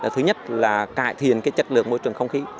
thứ nhất là cải thiện chất lượng môi trường không khí